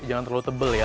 jangan terlalu tebel ya